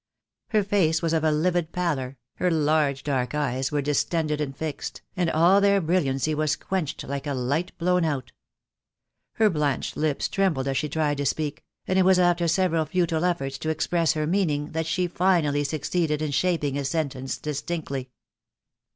Her face was of a livid pallor, her large dark eyes were distended and fixed, and all their brilliancy was quenched like a light blown out. Her blanched lips trembled as she tried to speak, and it was after several futile efforts to express her meaning that she finally succeeded in shaping a sentence distinctly.